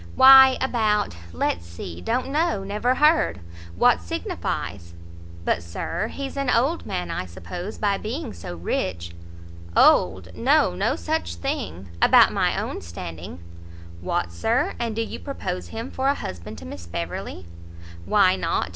"Why about let's see don't know, never heard, what signifies?" "But, Sir, he's an old man, I suppose, by being so rich?" "Old? no, no such thing; about my own standing." "What, Sir, and do you propose him for an husband to Miss Beverley?" "Why not?